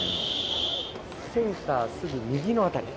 センターすぐ右の辺り。